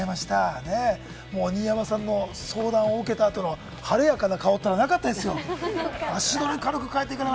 新山さんの相談を受けた後の晴れやかな顔ったらなかったですよ。